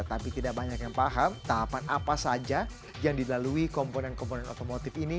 tapi tidak banyak yang paham tahapan apa saja yang dilalui komponen komponen otomotif ini